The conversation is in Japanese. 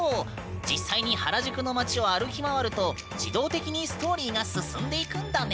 実際に原宿の街を歩き回ると自動的にストーリーが進んでいくんだね！